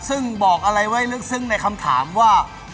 ซึ่งบอกอะไรไว้ลึกซึ้งในคำถามว่า